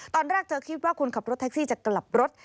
ตอนแรกเธอคิดว่าคนขับรถแท็กซี่จะกลับรถ